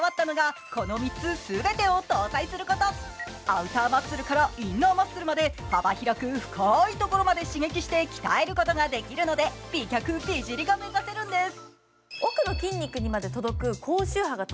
アウターマッスルからインナーマッスルまで幅広く深いところまで刺激して鍛えることができるので美脚・美尻が目指せるんです。